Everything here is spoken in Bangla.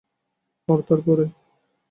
আর তার পরে!